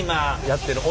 やってる。